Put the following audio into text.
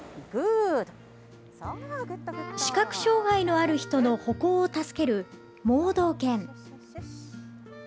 視覚障害のある人の歩行を助ける盲導犬。